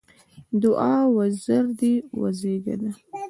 دوعا: وزر دې وزېږده!